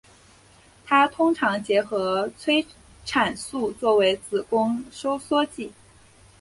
它通常结合催产素作为子宫收缩剂。